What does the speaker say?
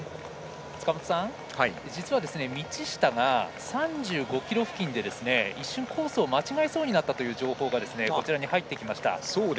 実は、道下が３５ｋｍ付近で一瞬、コースを間違えそうになったという情報がこちらに入ってきました。